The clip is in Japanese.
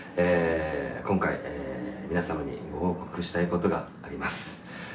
今回、皆様にご報告したいことがあります。